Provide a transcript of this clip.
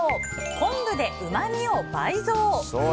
昆布でうまみを倍増！